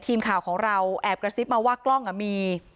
ทีมข่าวของเราแอบกระซิบมาว่ากล้องมี